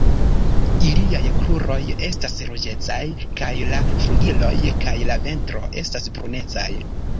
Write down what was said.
Iliaj kruroj estas ruĝecaj kaj la flugiloj kaj la ventro estas brunecaj.